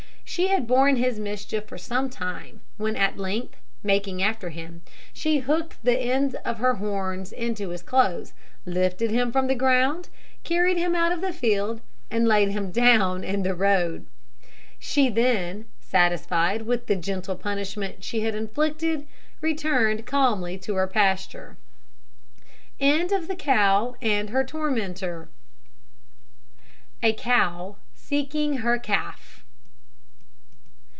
She had borne his mischief for some time, when at length, making after him, she hooked the end of her horns into his clothes, lifted him from the ground, carried him out of the field, and laid him down in the road. She then, satisfied with the gentle punishment she had inflicted, returned calmly to her pasture. A COW SEEKING HER CALF.